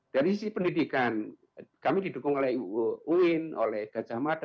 dari sisi pendidikan kami didukung oleh uin oleh gajah mada